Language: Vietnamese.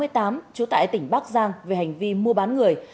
trú tại tỉnh bắc giang về hành vi mua bán người